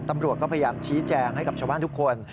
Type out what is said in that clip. ตำรวจก็พยายามชี้แจงให้กับชาวบ้านทุกคน